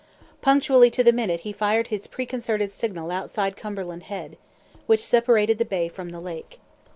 Punctually to the minute he fired his preconcerted signal outside Cumberland Head, which separated the bay from the lake.